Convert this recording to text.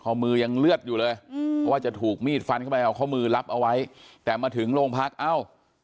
มือยังเลือดอยู่เลยอืมเพราะว่าจะถูกมีดฟันเข้าไปเอาข้อมือรับเอาไว้แต่มาถึงโรงพักเอ้า